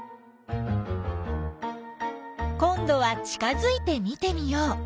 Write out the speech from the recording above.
こんどは近づいて見てみよう。